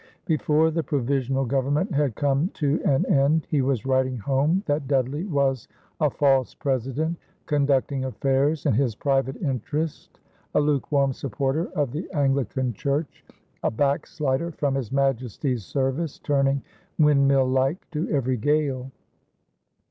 Before the provisional government had come to an end, he was writing home that Dudley was a "false president," conducting affairs in his private interest, a lukewarm supporter of the Anglican church, a backslider from his Majesty's service, turning "windmill like to every gale."